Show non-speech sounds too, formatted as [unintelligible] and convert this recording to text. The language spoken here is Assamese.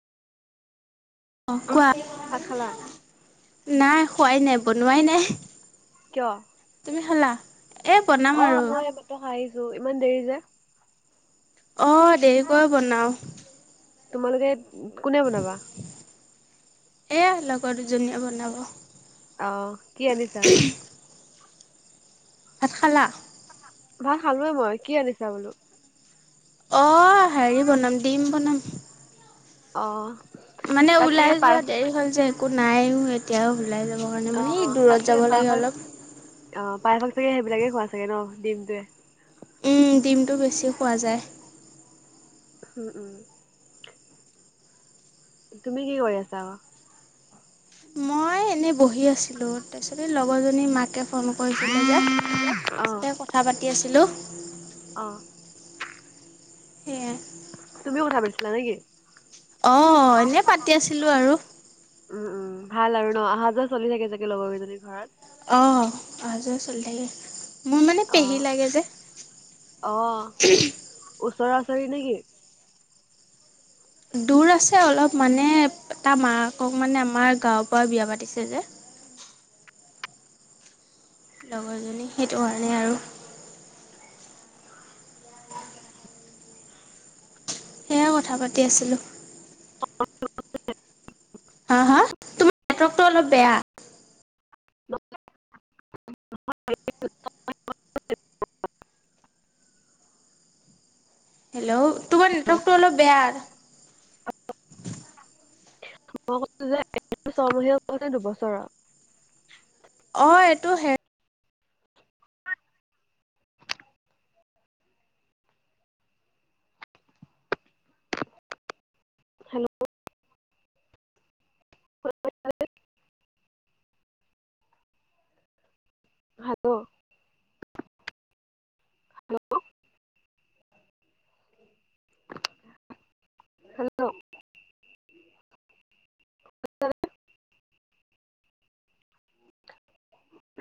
অ উ কোৱা ভাত খালা নাই খোৱাই নাই বনোৱাই নাই কিয় তুমি হলা এই বনাম অ আৰু মই এইমাত্ৰ খাই আহিছো ইমান দেৰি যে অঁ দেৰিকৈ বনাও তোমালোকে কোনে বনাবা এয়া লগৰ দুজনীয়ে বনাব আহ কি আনিছা? ভাত খালা ভাল খালোৱে মই কি আনিছা বোলো অ হেৰি বনাম দিম বনাম অ মানে তাত চাগে ওলাই পাই যোৱা দেৰি হ'ল যে একো নাইও এতিয়াও ওলাই যাব কাৰণে অ মানে তাত দূৰত চাগে যাব লাগে পায়স অলপ অ পায়সক চাগে সেইবিলাকে খোৱা ছাগে ন দিমটোৱে ডিমটো বেছি খোৱা যায়। উম উম তুমি কি কৰি আছা? মই এনে বহি আছিলো তাৰপিছতে লগৰজনী মাকে ফোন কৰিছিলে যে তাৰপিছতে কথা পাতি আছিলোঁ। অঁ সেয়াই হয় নেকি? অ এনেই পাতি আছিলোঁ আৰু উম উম ভাল আৰু ন অহা যোৱা চলি থাকে চাগে লগৰ কেইজনীৰ ঘৰত? আহ অহা যোৱা চলি থাকে। মোৰ মানে অ পেহী লাগে যে ওচৰা-ওচৰি নেকি? দূৰ আছে অলপ মানে তাৰ মাকক মানে আমাৰ গাঁৱৰ পৰা বিয়া পাতিছে যে। [inaudible] লগৰজনী সেইটো কাৰণে আৰু সেয়াই কথা পাতি আছিলোঁ। [inaudible] হা হা তোমাৰ নেটৱৰ্কটো অলপ বেয়া [unintelligible] [unintelligible] হেল্লো' তোমাৰ নেটৱৰ্কটো অলপ বেয়া। মই কৈছো যে ছয় মহীয়া হৈছে নে দুবছৰৰ অ এইটো হে হেল্লো' হেল্লো' হেল্লো' হেল্লো' [inaudible]